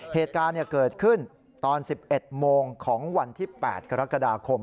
เหตุการณ์เกิดขึ้นตอน๑๑โมงของวันที่๘กรกฎาคม